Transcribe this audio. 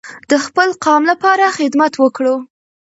د خپل قام لپاره خدمت وکړو.